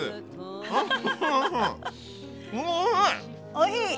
おいひい！